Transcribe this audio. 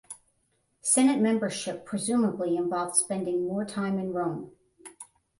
Senate membership presumably involved spending more time in Rome.